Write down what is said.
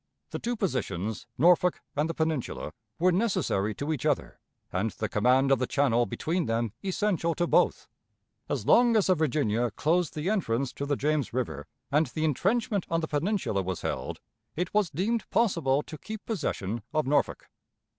The two positions, Norfolk and the Peninsula, were necessary to each other, and the command of the channel between them essential to both. As long as the Virginia closed the entrance to the James River, and the intrenchment on the Peninsula was held, it was deemed possible to keep possession of Norfolk.